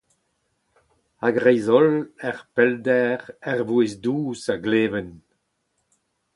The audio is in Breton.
A-greiz-holl, er pellder, ur vouezh dous a gleven.